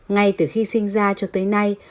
ngay từ khi sinh ra cho tới nay